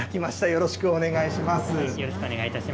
よろしくお願いします。